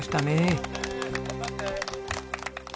頑張って！